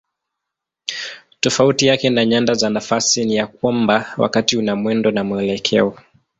Tofauti yake na nyanda za nafasi ni ya kwamba wakati una mwendo na mwelekeo.